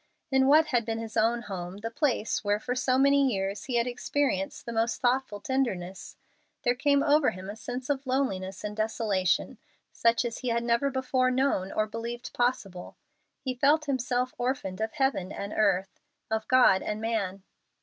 In what had been his own home, the place where for so many years he had experienced the most thoughtful tenderness, there came over him a sense of loneliness and desolation such as he had never before known or believed possible. He felt himself orphaned of heaven and earth, of God and man.